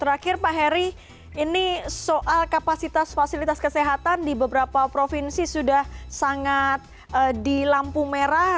terakhir pak heri ini soal kapasitas fasilitas kesehatan di beberapa provinsi sudah sangat di lampu merah